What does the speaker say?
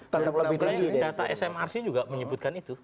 tentu saja data smrc juga menyebutkan itu